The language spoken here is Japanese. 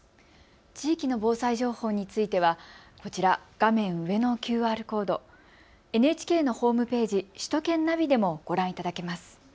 地域の防災情報についてはこちら、画面上のＱＲコード、ＮＨＫのホームページ、首都圏ナビでもご覧いただけます。